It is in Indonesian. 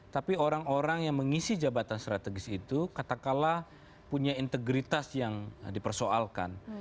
tapi orang orang yang mengisi jabatan strategis itu katakanlah punya integritas yang dipersoalkan